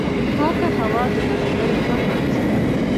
پاکه هوا د ناروغیو مخه نیسي.